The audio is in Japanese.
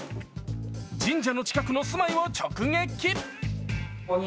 神社の近くの住まいを直撃！